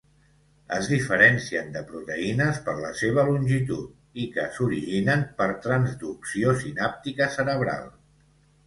Es diferencien de proteïnes per la seva longitud, i que s'originen per transducció sinàptica cerebral.